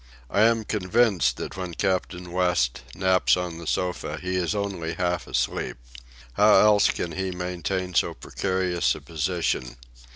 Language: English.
I am convinced that when Captain West naps on the sofa he is only half asleep. How else can he maintain so precarious a position?